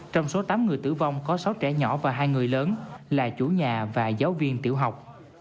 trong số tám người tử vong có sáu trẻ nhỏ và hai người lớn là chủ nhà và giáo viên tiểu học